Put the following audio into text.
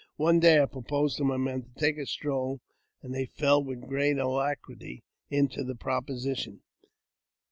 One day I proposed to my men to take a stroll, and they fell with great alacrity into the proposition.